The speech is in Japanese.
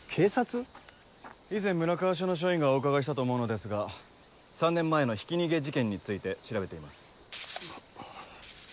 以前村川署の署員がお伺いしたと思うのですが３年前のひき逃げ事件について調べています。